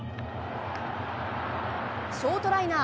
ショートライナー。